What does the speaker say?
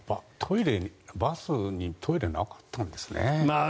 バスにトイレなかったんですね。